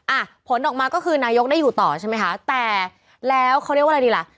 อ่ะผลออกมาก็คือนายกได้อยู่ต่อใช่ไหมคะแต่แล้วเขาเรียกว่าอะไรดีล่ะ